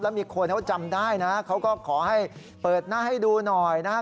มีคนเขาจำได้นะเขาก็ขอให้เปิดหน้าให้ดูหน่อยนะครับ